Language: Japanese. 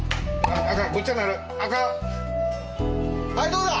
どうだ？